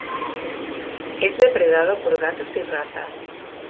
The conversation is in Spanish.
Es depredado por gatos y ratas.